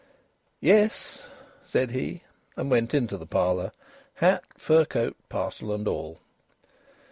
"Yes," said he, and went into the parlour, hat, fur coat, parcel, and all.